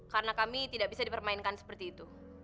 karena kami tidak bisa dipermainkan seperti itu